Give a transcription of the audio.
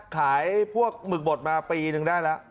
ขายพวกหมึกบดมาปีนึงได้แล้ว